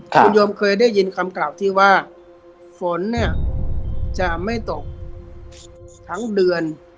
คุณโยมเคยได้ยินคำกล่าวที่ว่าฝนเนี่ยจะไม่ตกทั้งเดือน